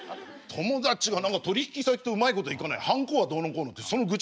友達が何か取引先とうまいこといかないはんこがどうのこうのってその愚痴を私に言われて。